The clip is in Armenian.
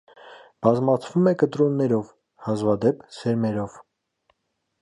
Բազմացվում է կտրոններով, հազվադեպ՝ սերմերով։